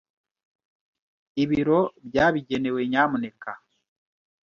Ibiro byabigenewe, nyamuneka .